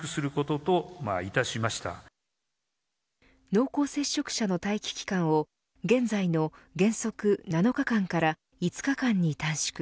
濃厚接触者の待機期間を現在の、原則７日間から５日間に短縮。